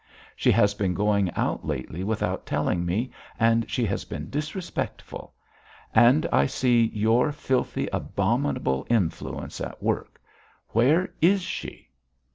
She has been going out lately without telling me, and she has been disrespectful and I see your filthy, abominable influence at work. Where is she?"